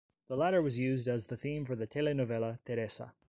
The latter was used as the theme for the telenovela 'Teresa'.